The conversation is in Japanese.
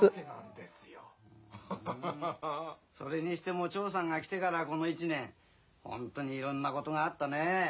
それにしてもチョーさんが来てからこの１年本当にいろんなことがあったね。